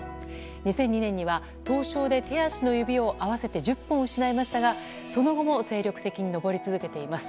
２００２年には凍傷で手足の指を合わせて１０本失いましたがその後も精力的に登り続けています。